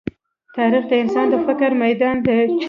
تاریخ د انسان د فکر ميدان دی.